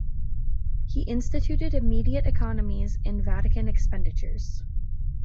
He instituted immediate economies in Vatican expenditures.